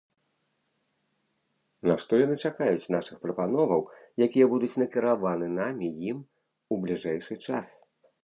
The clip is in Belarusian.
На што яны чакаюць нашых прапановаў, якія будуць накіраваны намі ім у бліжэйшы час.